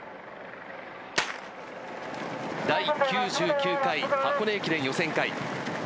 第９９回箱根駅伝予選会。